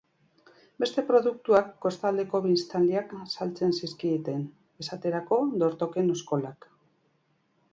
Beste produktuak kostaldeko biztanleek saltzen zizkieten, esaterako, dortoken oskolak.